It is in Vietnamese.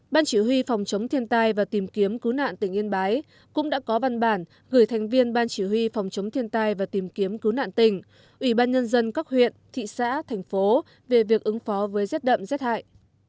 ban chỉ huy phòng chống thiên tai và tìm kiếm cứu nạn tỉnh yên bái cũng đã có văn bản gửi thành viên ban chỉ huy phòng chống thiên tai và tìm kiếm cứu nạn tỉnh ủy ban nhân dân các huyện thị xã thành phố về việc ứng phó với rét đậm rét hại